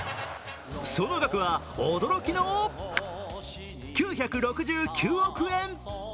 その額は驚きの９６９億円。